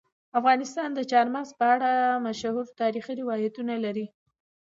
افغانستان د چار مغز په اړه مشهور تاریخي روایتونه لري.